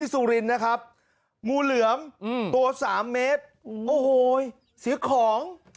สุรินทร์นะครับงูเหลือมตัวสามเมตรโอ้โหเสียของ